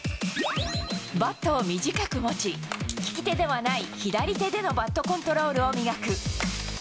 バットを短く持ち、利き手ではない左手でのバットコントロールを磨く。